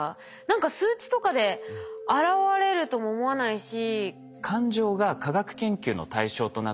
何か数値とかで表れるとも思わないし。